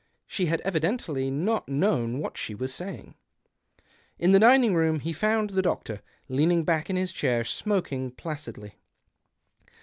She had evidently not known what she was saying. In the dining room he found the doctor, leaning back in his chair, smoking placidly.